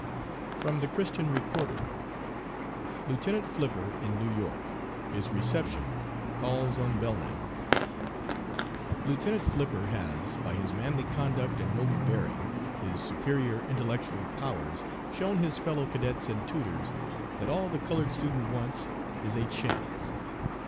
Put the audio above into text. (From the Christian Recorder.) LIEUTENANT FLIPPER IN NEW YORK HIS RECEPTION CALLS ON BELKNAP. "Lieutenant Flipper has, by his manly conduct and noble bearing, his superior intellectual powers shown his fellow cadets and tutors that all the colored student wants is a 'chance.'